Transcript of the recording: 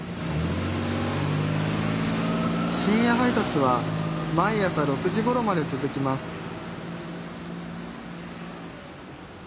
深夜配達は毎朝６時ごろまで続きます